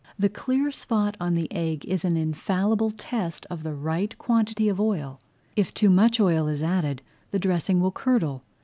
The clear spot on the egg is an infallible test of the right quantity of oil. If too much oil is added the dressing will curdle.